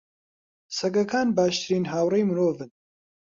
سەگەکان باشترین هاوڕێی مرۆڤن.